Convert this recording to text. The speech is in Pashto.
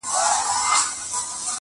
o چي په گوړه مري، په زهرو ئې مه وژنه!